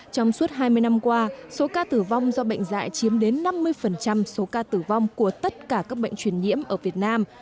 trong suốt hai mươi năm qua số ca tử vong do bệnh dạy chiếm đến năm mươi số ca tử vong của tất cả các bệnh truyền nhiễm ở việt nam